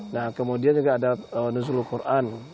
nah kemudian juga ada nuzul quran